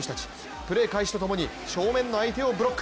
プレー開始と共に正面の相手をブロック。